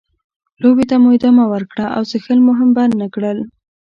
لوبې ته مو ادامه ورکړه او څښل مو هم بند نه کړل.